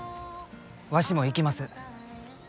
わしも行きます。